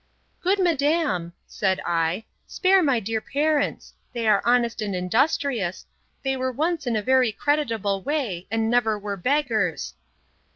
Good madam, said I, spare my dear parents. They are honest and industrious: they were once in a very creditable way, and never were beggars.